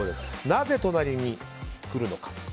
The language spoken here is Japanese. なぜ隣に来るのか。